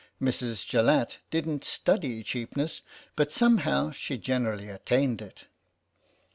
Mrs. Jallatt didn't study cheapness, but somehow she generally attained it.